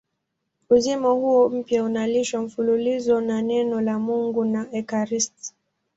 Uzima huo mpya unalishwa mfululizo na Neno la Mungu na ekaristi.